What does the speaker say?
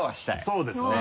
そうですね。